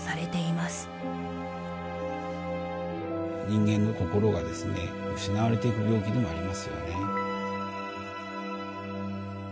人間の心がですね失われていく病気でもありますよね。